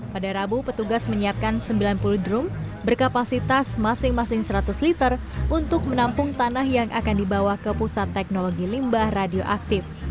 pada rabu petugas menyiapkan sembilan puluh drum berkapasitas masing masing seratus liter untuk menampung tanah yang akan dibawa ke pusat teknologi limbah radioaktif